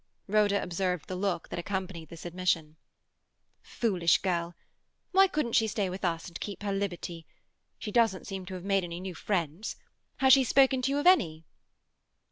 Rhoda observed the look that accompanied this admission. "Foolish girl! Why couldn't she stay with us, and keep her liberty? She doesn't seem to have made any new friends. Has she spoken to you of any?"